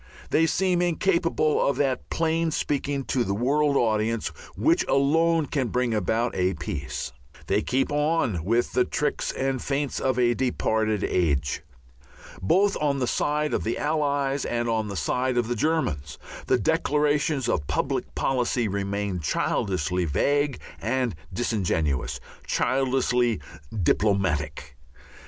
They seem incapable of that plain speaking to the world audience which alone can bring about a peace. They keep on with the tricks and feints of a departed age. Both on the side of the Allies and on the side of the Germans the declarations of public policy remain childishly vague and disingenuous, childishly "diplomatic."